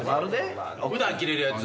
普段着れるやつ。